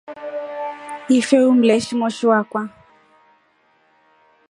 Ife umleshinai moshi wakwa.